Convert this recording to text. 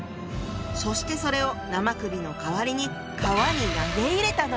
そしてそれを生首の代わりに川に投げ入れたのよ！